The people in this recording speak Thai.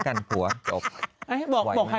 เข้าใจมั้ย